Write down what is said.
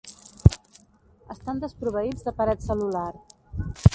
Estan desproveïts de paret cel·lular.